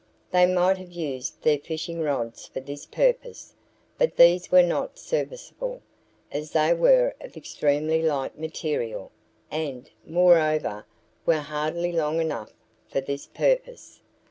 They might have used their fishing rods for this purpose, but these were not serviceable, as they were of extremely light material and, moreover, were hardly long enough for this purpose.